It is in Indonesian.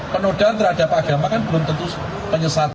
penodaan terhadap agama kan belum tentu penyesat